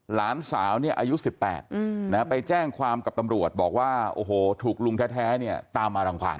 หลานสาวเนี่ยอายุ๑๘ไปแจ้งความกับตำรวจบอกว่าโอ้โหถูกลุงแท้เนี่ยตามมารังความ